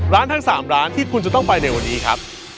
ทั้ง๓ร้านที่คุณจะต้องไปในวันนี้ครับ